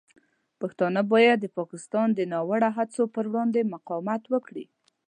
پښتانه باید د پاکستان د دې ناوړه هڅو پر وړاندې مقاومت وکړي.